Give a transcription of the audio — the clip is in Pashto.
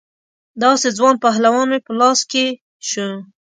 داسې ځوان پهلوان مې په لاس کې شو.